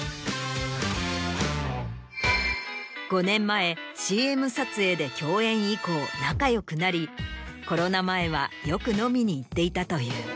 ５年前ＣＭ撮影で共演以降仲よくなりコロナ前はよく飲みに行っていたという。